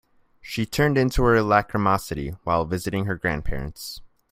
She turned into her lachrymosity while visiting her grandparents.